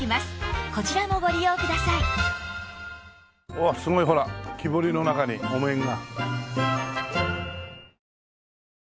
またすごいほら木彫りの中にお面が。